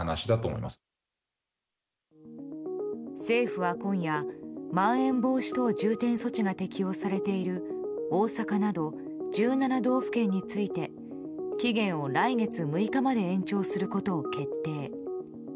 政府は今夜まん延防止等重点措置が適用されている大阪など１７道府県について期限を来月６日まで延長することを決定。